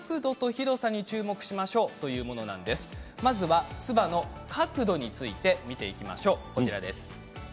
まずは、つばの角度について見ていきましょう。